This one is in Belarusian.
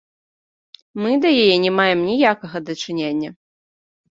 Мы да яе не маем ніякага дачынення.